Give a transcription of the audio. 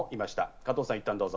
加藤さん、いったんどうぞ。